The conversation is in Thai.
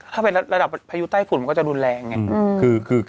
ถ้าเป็นระดับพายุใต้ฝุ่นมันก็จะรุนแรงไง